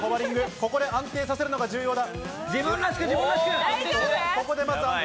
ここで安定させるのが重要です。